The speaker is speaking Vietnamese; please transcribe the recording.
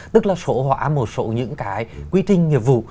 tức là sổ hóa một số những quy trình nghiệp vụ